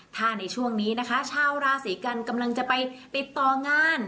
ถ้าในช่วงนี้นะคะชาวราศีกันกำลังจะไปติดต่องาน